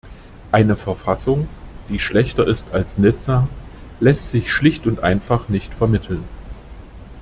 Eine Verfassung, die "schlechter ist als Nizza", lässt sich schlicht und einfach nicht vermitteln.